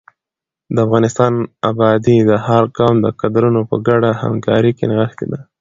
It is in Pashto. د افغانستان ابادي د هر قوم د کدرونو په ګډه همکارۍ کې نغښتې ده.